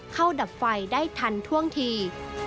ดับไฟได้ทันท่วงที